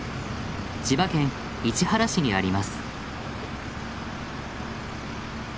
千葉県市原市にあります。